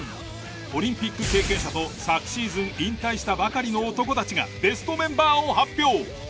オリンピック経験者と昨シーズン引退したばかりの男たちがベストメンバーを発表！